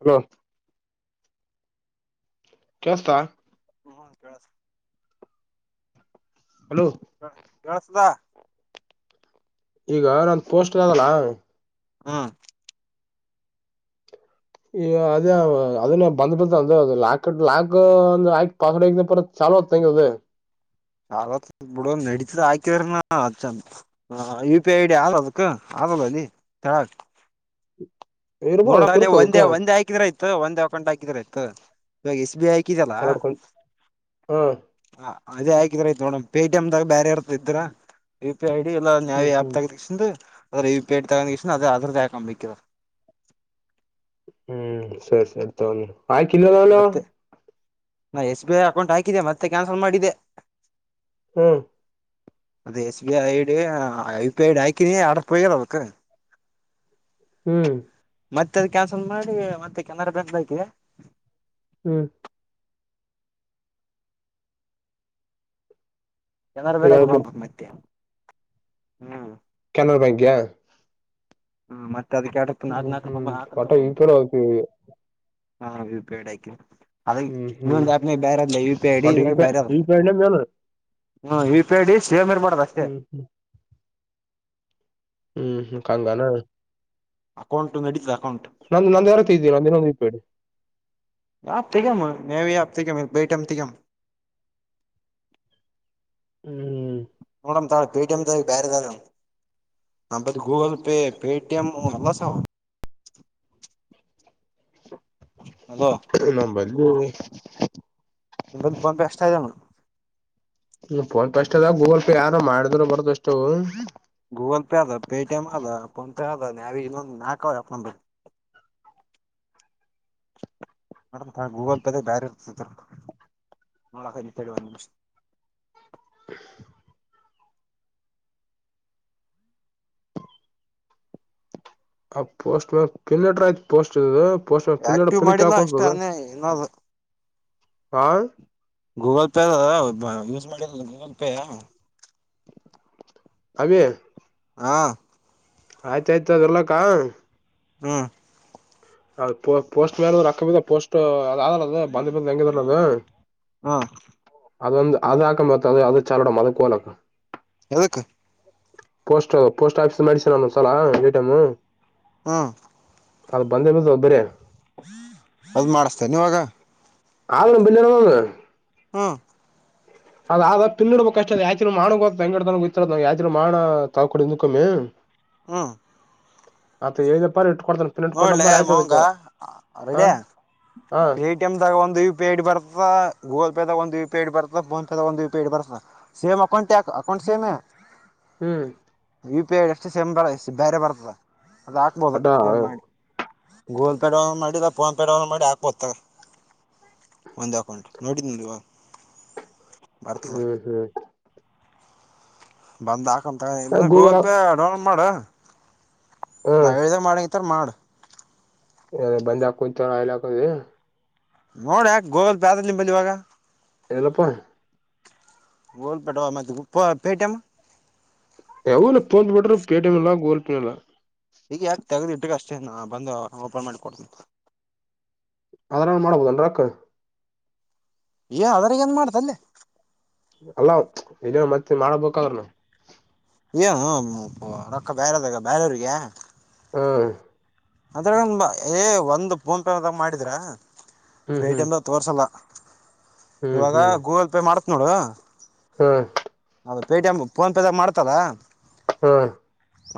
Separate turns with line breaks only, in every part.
Hello ಕೆಸ್ತಾ
ಹ್ಮ ಕೇಳಸ
ಹಲೋ
ಸರ್ ಕೇಳ್ಸ್ತದಾ
ಈಗ ನಂದು ಪೋಸ್ಟರ್ ಆದಲ್ಲ
ಹಾ
ಈ ಅದೇ ಅದನ್ನ ಬಂದ್ಬಡ್ತ ಅದೆ ಅದ್ ಲಾಕ ಲಾಕ್ ಒಂದ ಲಾ ಪಾಸ್ವರ್ಡ್ [unintelligible] ಹಲೋಕ್ ತೇಗ್ಯದು
ಆತ್ ಬಿಡ ನಡತದ ಹಾಕಿರಿನ ಚ ಯು ಪಿ ಐ ಡಿ ಆಲ್ ಅದಕ ಆಗಲ್ಲನಿ ತಾಕ್
ಇರ್ಬೋದು
ನೋಡೋಲ್ಲಿ
ಕಿರುತ ಅದಕ್ಕ
ಒಂದೆ ಒಂದೆ ಹಾಕಿದ್ರ ಅಯ್ತು ಒಂದಂದು ಅಕೌಂಟ್ ಹಾಕಿದ್ರ ಆಯ್ತು ಇವಾಗ ಎಸ್ ಬಿ ಐ ಹಾಕಿದಲ್ಲ
ಎರಡ್ಕೊಯ್ ಹಾ
ಅದೇ ಹಾಕಿದ್ರ ಆಯ್ತ್ ನೋಡಮ್ ಪೆ ಟಿ ಎಮ್ ದಾಗ ಬ್ಯಾರೆ ಇರ್ತದ್ ಇದ್ರ ಯು ಪಿ ಐಡಿಲ್ಲ ನನ್ ಯಾವ್
ಹ್ಮ್
ಆ್ಯಪ್
ಹ್ಮ್
ತಗಕೇಸಿಂದು ಅದ್ರ ಯು ಪಿ ಐ ಐಡಿ ತಗೊಂಡ ಕೇಸಿಂದ್ ಅದೇ ಆದೃದ್ದೆ ಹಾಕಂಬೇಕ್ ಇವಾಗ್
ಹ್ಮ್ ಸರಿ ಸರಿ ತಗೋ ಆಯ್ಕಿಲ್ಲದವ್ನೋ
ಮತ್ತೆ ನಾ ಎಸ್ ಬಿ ಐ ಅಕೌಂಟ್ ಹಾಕಿದೆ ಮತ್ತೆ ಕ್ಯಾನ್ಸಲ್ ಮಾಡಿದೆ.
ಹ್ಮ್
ಅದು ಎಸ್ ಬಿ ಐ ಐಡೀ ಆ ಹ ಯು ಪಿ ಐ ಐಡಿ ಹಾಕಿನಿ ಆದ್ರು ಪೆಯಲ್ ಅಬಕು
ಹ್ಮ್
ಮತ್ತೆ ಅದ್ ಕ್ಯಾನ್ಸಲ್ ಮಾಡಿ ಮತ್ತೆ ಕೆನಾರ ಬ್ಯಾಂಕ್ ದಾಕಿ
ಹ್ಮ್
ಕೆನರಾ
ಇವಾಗ
ಬ್ಯಾಂಕ್
ಬರ್
ಬಂದದ್ ಮತ್ತೆ ಹ್ಮ್
ಕೆನರ ಬ್ಯಾಂಕ್ಯಾ
ಹ್ಮ ಮತ್ತೆ ಅದಕ್ಕೆಡ ನಾಕ ನಾಕ ರೂಪ
ಹ್ಮ್
ನಾಲ್ಕ ರೂಪ
ಒಟ
ಬ
ಯು ಪಿ
ಹಾ ವಿೂಪೇಡ ಆಯಕು ಅದ
ಐ ಹ್ಮ್ ಹ್ಮ್
ಇನ ಬೇರೆದ ಪಿಡಿ
ಒಟ ಯು
ಇದ್ರಾಗ
ಪಿ
ಬೇರೆ ಅದ
ಐ ಯು ಪಿ ಐ ನ ಮೇನ್
ಹ್ಮ ಇಪೇಡ್ ಸೇಮ್ ಇರ್ಬಾರಡ್ದ ಅಷ್ಟೇ
ಹ್ಮ್ ಹ್ಮ್ ಕಂಗಾನ
ಅಕೌಂಟ್ ನಡೀತಾ
ನಂದ ನಂದ್ ಯಾರತ್ತ ಇದ್ದೀ ನಂದ ಇನ್ನೊಂದ ಇಬೇಡಿ
ಯಾತಗಾಮ ನವ ಯಾಪ್ತಗ ಬೈಟಮ ತಗಾಮ [inaudible]
ಹ್ಮ್
ನಡ ತ ಪೇಟ ತ ಬೇರೆಾವ ನಬ ಗೂಗಲ್ ಪೇ ಪೇಟಿಎಂ ಎಲ್ಲ ಸಾವ [inaudible] [unintelligible] ಅಲ
ನಂಬಲ್ಲಿ
ನಿಂದು ಪನ್ ಬೆಷ್ಟತ
ಹ್ಮ ಫೋನ್ ಪೇ ಅಷ್ಟ ಅದ ಗೂಗಲ್ ಪೇ ಯಾರೋ ಮಾಡಿದ್ರರು ಬರದ ಅಷ್ಟ
ಆ ನ ನಾಕ ಬ ನಡ ಗೂಗಲ್ ಪೇದಾಗ ಬೇಾರಿ ಇರ್ತ ನೋಳಿ ಒಂದ್ ನಿಮಿಷ
[inaudible] ಆ ಪೋಸ್ಟ್ ಮ ಪಿನ್ನಟ್ರ ಆಯ್ತತ್ ಪೋಸ್ಟ್ ಇದದು ಪೋ ಪನ್ನ
ಆಕ್ಟಿವ್
ಪನ್ನಿ
ಮಾಡಿಲ್ಲ ಅಷ್ಟೇ
ಕಕತದ
ಅನ್ನೇ ಇನ್ನದು
ಆ
ಗೂಗಲ್ ಪೇ ಅ ಯೂಸ್ ಮಾಡಿ ಗೂಗಲ್ ಪೇಯ
ಹೇ
ಹಾಂ
ಆಯ್ತಾಯ್ತ ಅದರ್ಲಕ್ಕ
ಹ್ಮ್
ಪೋಸ್ಟ್ ಮ್ಯಾನ್ ರಕ್ಕಬ ಪೋಸ್ಟ್ ಯಲ್ಲ ಅ ಬಂದಿ ಬ ಎಂಗ ತಲ್ಲದು
ಹ್ಮ
ಅದೊಂದು ಅದ ಹಾಕ ಮತ್ತ ಅದು ಅದ ಚಾಡಮ ಅದ ಕೋಲಾಕ
ಎದಕ್ಕ
ಪೋಸ್ಟ್ ಪೋಸ್ಟ್ ಆಫೀಸ್ ಮಾಡಡಿಸಿನ ಸಲ ಎ ಟೈಮ
ಹ್ಮ್
ಅದು ಬಂದೆ ಮ ಒಬ್ಬರ
ಅದು ಮಾಡಿಸತೇ ನೀವಾಗ
ಆಗ್ಣ ಬನ್ನಣ
ಹ್ಮ್
ಅದ್ [unintelligible] ಪಿಿಡಬಬೇಕಕ್ಷ್ಟ ಅದ ಯಾತ ಮಾಡೋ ಬೆಂಗಡ್ದಯ್ತರದ ನಾವ್ ಯಾತ ಮಾ ಮಾಡ ತಗಕೊಡಿಿಂದ್ ಕಮ್ಮಿ
ಹ್ಮ್
ಮತ್ತ ಹೇಳ್ದಪ್ಪ ಇಟ್ಕಡ್ತನ್ ಪಿನ ಇಟ್
ನೋಡ್ಲೆ
ಕೊಡಪ್ಪಾರ ಆಯ್ತದತ
ಮವಂಗ
ಹ [unintelligible]
ಪೇಟಿಎಮ ದಾಗ ಒಂದು ಯು ಫಿ ಐಡಿ ಬರ್ತ ಗೂಗಲ್ ಪೇದಾಗ ಒಂದು ಯ ಫಿ ಐಡಿ ಬರ್ತ್ತಾ ಫೋನ್ ಪೇದಾಗ ಒಂದು ಯ ಪಿ ಐಡಿ ಬರ್ತ ಸೇಮ್ ಅಕೌಂಟ್ ಯಕ ಅಕೌಂಟ್ ಸೇಮ್
ಹ್ಮ್
ಯು ಪಿ ಐ ಎಷ್ಟು ಸಿಮ್ ಬರ ಎಷ್ಟು ಬೇರೆ ಬರ್ತದ ಅದು ಹಾಕ್ಬೋದು
ಅಟ
ಸೇಮ್ ಮಾಡಿ ಗೂಗಲ್ ಪೇ ಡೌನ್ಲೋಡ್ ಮಾಡಿ ಫೋನ್ ಪೇ ಡೌನ್ಲೋಡ್ ಮಾಡಿ ಹಾಕ್ ಒತ್ತ ಒಂದು ಅಕೌಂಟ್ ನೋಡಿದ ನೋಡಿವ
ಹ್ಮ್ ಹ್ಮ್
ಬಂದಾಗಂತ ಗೂಗಲ್ ಪೇ ಡೌನ್ಲೋಡ್ ಮಾಡ
ಹಾ
ನಾವ್ ಹೇಳ್ದ ಮಾಡಂಗತ್ತರ್ ಮಾಡ
ಅ ಬಂದ ಆಕೋ ತರ ಆಲ್ಲದೆ [unintelligible]
ನೋಡ ಯಾಕ ಗೋಗಲ್ ಪ್ಯಾದ ನಿಂಬಲ್ಲಿ ಇವಾಗ
ಎಲ್ಲಪ್ಪ
ಗೂಗಲ್ ಪೆಟಿಎಂ ಆತ ಅಪ್ಡೇಟ್
ಎಲ ತೋಂದ ಬಿಟ ಪೆಟಿಎಂ ಇಲ್ಲ ಗೂಗಲ್ ಪೇ ಇಲ್ಲ
ಈಗ ಯಾಕೆ ತೆಗ್ದ್ ಇಟ್ಟಕ ಅಷ್ಟೇ ನ ಬಂದು ಓಪನ್ ಮಾಡಿ ಕೊಡ್ತನ
ಅವ್ರ ಮಾಡ್ಬೋದಲ್ ಅಕ್ಕರ
ಏ ಅದ್ರಾಗ ಏನ್ ಮಾಡ್ತಲ್ಲೆ
ಅಲ್ಲ ಇದ ಮತ್ತೆ ಮಾಡಬೇಕಾದ್ರನು
ಏನು ರೊಕ್ಕ ಬೇರದಾಗ ಬೇರೆಯವರಿಗೆ
ಹಾ
ಅದ್ರ ಏ ಒಂದು್ ಫೋನ್ ಪೇದಾಗ ಮಾಡಿದ್
ಹ್ಮ್ ಹ್ಮ್
ಪೆಟಿಎಂ ದಾಗ ತೋರ್ಸಲ್ಲ
ಹ್ಮ್
ಇವಾಗ ಗೂಗಲ್ ಪೇ ಮಾಡತ್ ನೋಡು
ಹ್ಮ
ಅದು ಪೆಟಿಎಂ ಫೋನೆಪೇದಾಗ ಮಾಡ್ತಾರಾ
ಹಾ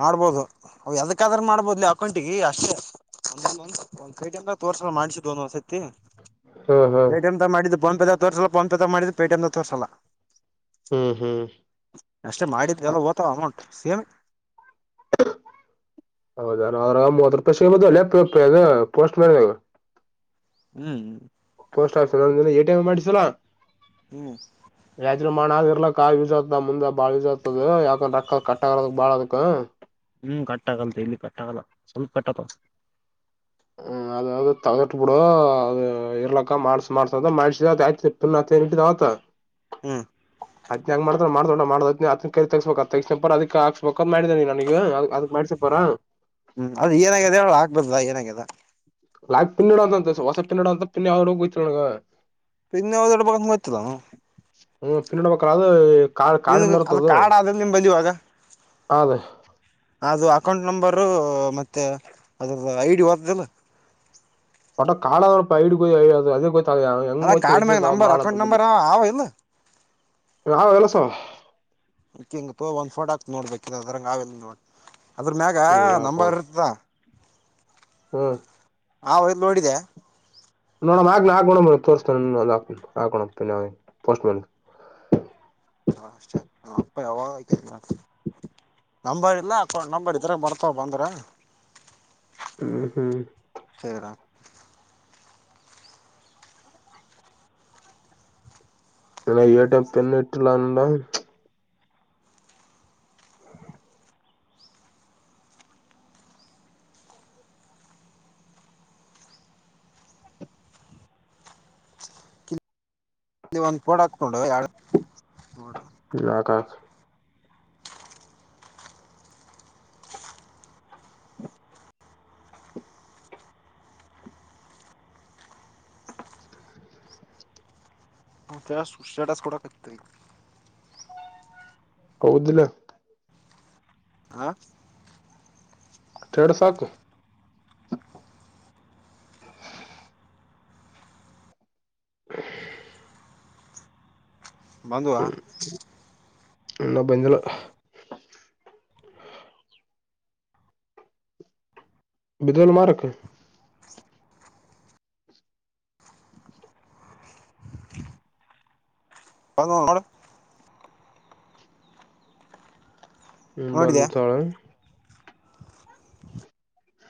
ಮಾಡ್ಬೋದು ಅವ ಯದಕ್ಕಾದ್ರ ಮಾಡ್ಬೋದಲಿ ಅಕೌಂಟಿಗೆ ಅಷ್ಟೇ ಒಂದ ಒಂದ ಕೈ ಅಂದ ತೋರ್ಸ ಮಾಡ್ಸಿದ ಒಂದ್ ವಸತಿ
ಹಾ ಹಾ
ಪೇಟಿಎಂ ದಾಗ ಮಾಡಿದ್ದು ಫೋನೆಪೇ ತೋರ್ಸಲ್ಲ ಫೋನೆಪೇ ದಾಗ ಮಾಡಿದ್ದು ಪೇಟಿಎಂ ತೋರ್ಸಲ್ಲ
ಹ್ಮ್ ಹ್ಮ್
ಅಷ್ಟೆ ಮಾಡಿದೆ ಎಲ್ಲ ಓದ್ತಾವ ಅಮೌಂಟ್ ಸೇಮ್
ಹ ಹೌದಾರ ಮೂವತ್ ರೂಪಾಯಿ ಸಿಗಬಕಲ್ಲ ಪೋಸ್ಟ್ ಮನ್
ಹ್ಮ್ ಹ್ಮ್
ಪೋಸ್ಟ್ ಆಫೀಸ್ ಎಟಿಎಂ ಮಾಡಿಸಲಾ
ಹ್ಮ್
ಮ್ಮ ಆಗ ಇರ್ಲಕ್ಕ ಯೂಸ್ ಆತದ ಮುಂದೆ ಬಾಳ್ ಯೂಸ್ ಆತದ ಯಾಕಂದ ರಕ್ಕ ಕಟ್ಟ ಆರದಕ್ ಬಾಳ ಅದಕ್
ಹ್ಮ್ ಕಟ್ಟಾಗಲ್ ಇಲ್ಲಿ ಕಟ್ಟಾಗಲ್ಲ ಸ್ವಲ್ಪ ಕಟ್ಟತ್ತ
ಹ್ಮ ಅದ ಅದ ತಗಟ್ ಬಿಡು ಅ ಇರ್ಲಕ್ಕ ಮಾಡಸ ಮಾಡ್ಸ ಅದ ಮಾಡ್ಸಿದ ಆಯ್ತ ಪಟ್ಟವತ್
ಹ್ಮ್
ಅದ್ನ ಹೆಂಗ್ ಮಾಡ್ತ ಮಾಡ ಮಾಡದ ಕ ತಸ್ಬೇಕಕ್ ತಕ್ಷಣರ್ ಅದಕ್ಕೆ ಹಾಕ್ಸ್ಬೇಕು ಪಕ ಮಾಡಿದಾನ ನೀ ನನಗ ಅದಕ್ ಮಾಡ್ಸಿ ಪರ
ಹ್ಮ್ ಅದ ಏನ್ಯಾಗಿದೆ ಹೇಳ ಆಗ್ಬದಲಾ ಏನ್ಯಾಗಿದೆ
ಲಾ ಪಿನ್ನಿಡ ಅಂತ ಹೊಸ ಪಿಡ ಅಂತ ಪಿ ಯಾವಡ ಹೋಯತ್ ನನಗೆ
ಪಿನ್ನ ಯಾವ್ದ್ ಇಡಬಕ್ ಅಂತ ಗೊತ್ತಿಲನ
ಹ್ಮ ಫಿನ್ನಡಬೇಕಾರ ಅದು ಕಾ
ನಿನ್ಗ ಅದ
ಕಾಣಮಲೆರ್ತದು
ಕಾರ್ಡ್ ಆದ ನಿಮ್ ಬಲ್ಲಿ ಇವಾಗ
ಅದೇ
ಅದು ಅಕೌಂಟ್ ನಂಬರು ಮತ್ತೆ ಅದ್ರದ್ದ ಐ ಡಿ ಓತದಲ್ಲ
ಪಟ್ಟ ಕಾಲವ [unintelligible] ಅದು [unintelligible] ಹೆಂಗ್
ಅಲ್ಲ ಕಾರ್ಡ್ ಮ್ಯಾಗ ನಂಬರ್
ಮಾಡ
ಅಕೌಂಟ್
[unintelligible]
ನಂಬರ್ ಅವ ಇಲ್ಲ
ರಹ ಕೆಲಸ.
[unintelligible] ತೋ ಒಂದ್ ಫೋಟ ಆಗ್ತಿನೋಡಬೇಕಾದರೆ ಅದ್ರಂಗ ನಾವೆ ನೋಡು. ಅದ್ರ ಮ್ಯಾಗ
ಹ್ಮ್
ನಂಬರ್ ಇರ್ತದಾ.
ಹ್ಮ
ಹಾ ಐದ್ ನೋಡಿದ.
ನೋಡಣ ಹಾಕ್ ಹಾಕೋಣ ತೋರ್ತಸ್ತೀನಿ ಹಾಕೊಂಡ್ ಹೋಗ್ತಾನೆ ಪೋಸ್ಟ್ ಮ್ಯನ್. ಹ
ಹಾ ಅಷ್ಟೇ ನಮ್ಮಪ್ಪ ಯಾವಾಗ ಹೋಗ್ತಾನೆ, ಲಾಸ್ಟ್. ನಂಬರ್ ಇಲ್ಲ ಅಕೌಂಟ್ ನಂಬರ್ ಇದರ ಬರ್ತವ ಬಂದ್ರೆ.
ಹ್ಮ್ ಹ್ಮ್ ಇಲ್ಲ ಎ ಟಿ ಎಂ ಪಿನ್ ಇಟ್ಟಿಲ್ಲ ಅನ್ಲ.
ಅಲ್ಲಿ ಒಂದ್ ಕಫೋಡ್ ಹಾಕ್ಕೊಂಡು ಎಡ್
ಲಾಕ್ ಹಕ್.
ಜಸ್ಟ್ ಸ್ಟೇಟಸ್ ಕೊಡಕ್ ಹತ್ತಿ.
ಹೌದಿಲ್ಲ
ಹ
ಸ್ಟೇಟಸ್ ಹಾಕು. [inaudible]
ಬಂದ್ವ.
ಇನ್ನ ಬಂದಿಲ್ಲ. ಬಿದಲ್ ಮಾರಕ್ಕೆ.
[unintelligible]
ಹ್ಮ್
ನೋಡಿದೆ
ಬಂದು ತೋಳೊ.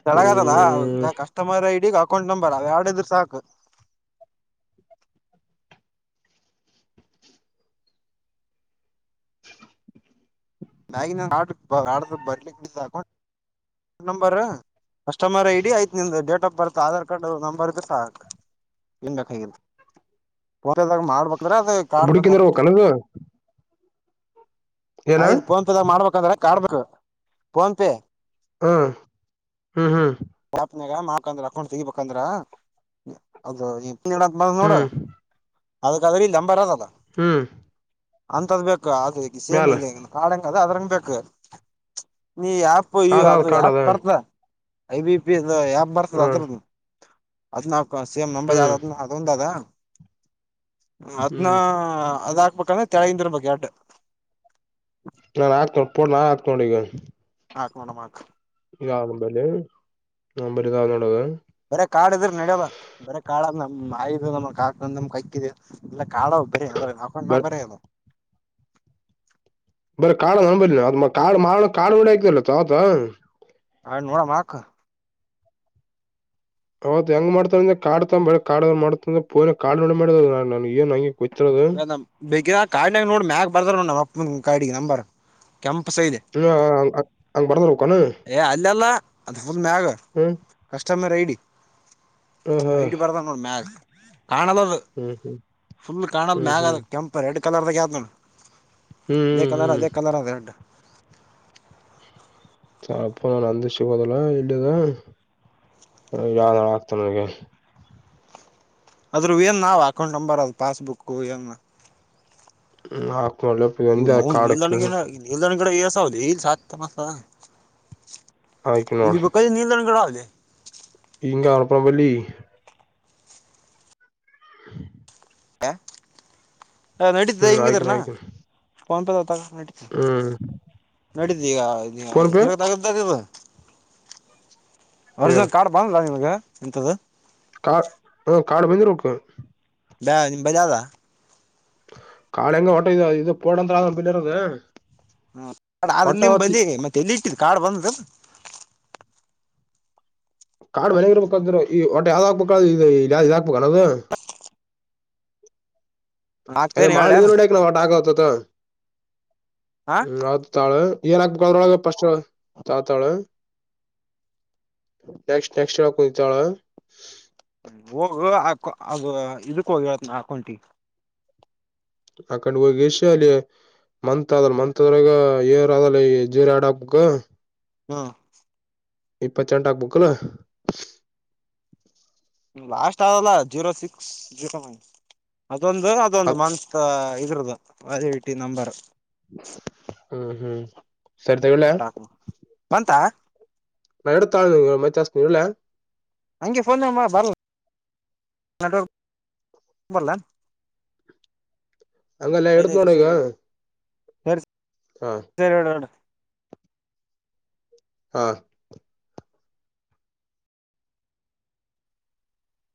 ಚೆಳಗ
ಹ್ಮ್
ಅದದ ಕಸ್ಟಮರ್ ಐಡಿ ಅಕೌಂಟ್ ನಂಬರ್ ಅವ ಯರಡ ಇದ್ರು ಸಾಕು.
[inaudible]
ಮ್ಯಾಗಿ ಆ ಆಡ್ರ ಬರ್ಲಿ ಅಕೌಂ ಅಕೌ ನಂಬರ್. ಕಸ್ಟಮರ್ ಐಡಿ ಆಯ್ತ ನಿಂದು date of birth Aadhaar card number ಇದ್ರೆ ಸಾಕು ಏನ್ ಬೇಕಾಗುತ್ತೆ ಫೋ. ಮದಾಗ ಮಾಡ್ಬೇಕ್ರ ಅದೇ ಕಾಡ್ಬೇಕಾದ
ಬುಡಕಿಂದ್ರ
ಬಿಟಿ.
ಹೋಗಕನದು ಏನ
ಆಯ್ತ ಫೋನ್ ಪೇ ದಾಗ ಮಾಡ್ಬೇಕಾದ್ರೆ ಕಾರ್ಡ್ ಬೇಕು ಫೋನ್ ಪೇ.
ಹ ಹ್ಮ್ ಹ್ಮ್
[unintelligible] ಗ ಮಾಡಕಂದ್ರ ಅಕೌಂಟ್ ತೆಗಿಬೇಕಂದ್ರ ಅದು ಈ [unintelligible] ನೋಡು
ಹ್ಮ್
ಅದಕ್ಕ ಅದ್ರ ನಂಬರ್ ಆಗದ.
ಹ್ಮ್
ಅಂತದ್ ಬೇಕು ಅದು ಈ ಸೇಮ್
ಮ್ಯಾಲ
ಇದೆ ಕಾಡಂಗ ಅದ ಅದ್ರಂಗ ಬೇಕು. ನೀ ಯಾಪ್ ಇ
ಅದ ಅದ
ಅದು
ಕಾಡ
ಯಾಪ್
ಅದ
ಬರ್ತ ಐ ಬಿ ಪಿ ಅದ ಆ್ಯಪ್ ಬರ್ತದ
ಹ್ಮ್
ಅದ್ರುದ ಅದ್ನಕ ಸೇಮ್ ನಂಬರ್
ಹ್ಮ್
ಯಾವ್ದ ಅದ ಒಂದು ಅದ. ಅದ್ನ
ಹ್ಮ್
ಅದ್ ಹಾಕ್ಬೇಕಂದ್ರೆ ತೆಳಗಿಂದಿರ್ಬೇಕ ಎರಡು.
ನೋಡಿಗ.
ಹಾಕ್ ನೊಡ್ ಮಾಕ್.
ಅಂಬಲ್ ಅಂಬಲಿ ತನ್ನಳ್ಳದು.
ಬರೆ ಕಾಡ್ ಇದ್ರ ನಡ್ಯಲ್ಲ ಬರೆ ಕಾಳ ನಮ್ ಆಯು ನಮ ಕಾಕ ನಮ್ ಕಕ್ಕಿದ ಇಲ್ಲ ಕಾರ್ಡವ್ ಬರೆದ ಅಕೌಂಟ್
ಬರ್
ನಂಬರ್ ಅದು.
ಬರ ಕಾಡ ನ ಬರಿ ಕಾ ಮಾಡಣ ಕಾಡ ಹೊಡ ಆಯತಲ್ಲ ಆತ ಅತ್.
ಹಾ ನೋಡ ಮಾಕ್.
ಅವೌತ್ ಹೆಂಗ ಮಾಡ್ತವ ಅಂದ್ರ ಕಡ್ತಳ ಕಾಡ ಮಾಡ್ತ ಪ ಕಾಡ ಮಾಡ ಏನ್ ಹಂಗೆ. ಗೊತ್ತಿರೋದು
ಇಲ್ಲ ನ ಬೇಕಿದ ಕಾಡ್ಗ ನೋಡ ಮ್ಯಾಗ ಬರ್ದಾರ ನಮ್ಮ ಅ ಕಾಡಿಗೆ ನಂಬರ್. ಕೆಂಪು ಸೈಡ್
ಹಂಗ ಬರ್ದ್ರು
ಏ ಅಲ್ಲ ಅಲ್ಲ ಅದು ಫುಲ್ ಮ್ಯಾಗ ಕಸ್ಟಮರ್ ಐಡಿ ಐಡಿ ಬರ್ದನ ನೋಡ ಮ್ಯಾಗ ಕಾಣಲ್ಲದು ಫುಲ್ ಕಾಣಲ ಮ್ಯಾಗ ಕೆಂಪು ರೆಡ್ ಕಲರ್ದಾಗದ
ಹ್ಮ್
ಅದೇಕಲರ
ಹ್ಮ್
ಅದೇ ಕಲರಾದ ರೆಡ
ಸ ಅಪ್ಪ ನಂದು ಸಿಗದಿಲ್ಲ ಇಲ್ಲಿದಾ ಯಾವ್ದಳ ಆಗ್ತ ನಿನಗ
ಅದ್ರವೇನ್ ಯಾವ ಅಕೌಂಟ್ ನಂಬರ್ ಅದು ಪಾಸ್ಬುಕ್ ಎನ್
ಹ್ಮ್ ಹಾವ
ಇವು ನೌವನ ನಿಲ್ದಣ ಗಿಂಡಿ ನಿಲ್ದಣ ಗಿಡ ಎಸ ಇ ಮಸ
ಹಾಕಿ
ಎಲ್ಲಿ ಬೇಕ ಅಲ್ಲೇ ನಿಲ್ದಣ್ಣ ಗಿಂಡಿ ಆವಲೆ
ಹಿಂಗೆ ಆವಪ್ಪಾ ನಮ್ಮ ಬಲ್ಲಿ [inaudible]
ಹ ಹ ನಡೀತದ್ದ
ಹ್ಮ್ ಹಾಕಿನ
ಹೆಂಗಿದರನಾ
ಹಾಕಿನ
ಫೋನ್ಪೇದ ತಗ ನಡೀತ
ಹ್ಮ್
ನಡೀತು ಈಗ
ಫೋನ್ ಪೇ
ಇದರಾಗ ತಗದಗದು ಒರಿಜಿನಲ್ ಕಾರ್ಡ್ ಬಂದಧ ನಿನಗ ಇಂಥದ
ಕಾ ಹ ಕಾರ್ಡ್ ಬಂದಿರಬೇಕ
ಬಾ ನಿಮ್ ಬಲ್ಯಾದ
ಕಾರ್ಡ್ ಹೆಂಗ ಓಟ ಇದು ಅ ಇದು ಪೋಟಂತರಾದ ನಂಬಲಿ ಇರೋದು
ಹ್ಮ ಕಾರ್ಡಾದ ಇಲ್ಲ
ಒಟ್ಟ
ನಿಮ ಬಲ್ಲಿ ಮತ್ತೆ ಎಲ್ಲಿ ಇಟ್ಟಿಲ್ಲ ಕಾರ್ಡ್ ಬಂದದಿಲ್ಲ
ಕಾರ್ಡ್ ಮನೆಗ ಇರ್ಬೇಕಾದ್ರ ಈಗ ಓಟ ಯಾವ್ದ ಹಾಕ್ಬೇಕೇಳ ಇದ ಯಾವ ಇದ ಹಾಕ್ಬೇಕಾನದು ಅದೇ
ಆಗ್ತೇನ್
ಮಾಳ
ಹೇಳ್ಯಾನ
ನೀರ ಹೋಡ್ಯಾಕ ಇಲ್ಲಿ ಒಟ್ಟ ಆತ
ಹಾ
ಹ್ಮ ಆ ತಾಳು ಏನಾಕ್ಬೇಳ ಅದ್ರೊಳಗ ಫಸ್ಟ್ ತಾಳತಾಳ ನೆಕ್ಸ್ಟ್ ನೆಕ್ಸ್ಟ್ ಹೇಳಕೂತಿ ತಾಳ
ಹ್ಮ ಹೋಗ ಅದು ಇದಕ್ ಹೋಗ ಹೇಳ್ತಿನಿ ಅಕೌಂಟಿಗಿ
ಅಕೌಂಟಿಗ್ ಹೋಗಿಸಿಯಲ್ಲಿ ಮಂತ್ ಅದಲ್ ಮಂತ್ದ್ರಗ ಏರ್ದಲ್ಲ ಈ ಜೀರ ಆಡಪ್ಗ
ಹಾ
ಇಪ್ಪತ್ತೆಂಟ ಆಕ್ಬೇಕಿಲ್ಲ
ಲಾಸ್ಟ್ ಆದಲ್ಲ ಜೀರೋ ಸಿಕ್ಸ್ ಜೀರೋ ನೈನ್ ಅದೂಂದು ಅದೊಂದು
ಅದ್
ಮಂತ್ ಇದ್ರದು ವಾಲಿಡಿಟಿ ನಂಬರ್
ಹ್ಮ್ ಹ್ಮ್ ಸರಿ ತಗೋ ಇಡ್ಲಾ
ಬಂತಾ
ನಾ ಇಡ್ತಿ ತಾಳು ಮತ್ತು ಹಚ್ಚತಿನಿ ಇಡ್ಲಾ
ಹಂಗೆ ಫೋನ್ ನ ಬರ್ಲ ನೆಟ್ವರ್ಕ್ ಬರಲೇನ
ಅಂಗಲ್ಲಾ ಇಡುತ್ತಿನಿ ನೋಡಿ ಈಗ
ಸರಿ
ಹಾ
ಸರಿ ಇಡುಡು
ಹಾ